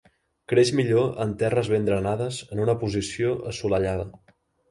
Creix millor en terres ben drenades en una posició assolellada.